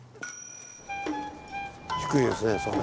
低いですねそこ。